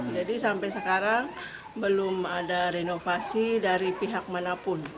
jadi sampai sekarang belum ada renovasi dari pihak manapun